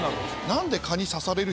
何で。